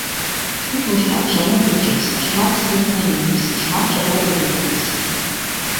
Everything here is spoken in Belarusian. Тут мы шмат чаму вучымся, шмат з кім знаёмімся, шмат чаго даведваемся.